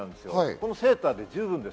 このセーターで十分です。